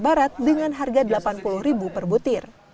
barat dengan harga rp delapan puluh per butir